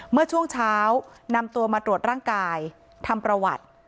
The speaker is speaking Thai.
เมื่อช่วงเช้านำตัวมาตรวจร่างกายทำประวัติ